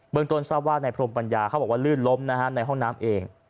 ต้นทราบว่านายพรมปัญญาเขาบอกว่าลื่นล้มนะฮะในห้องน้ำเอง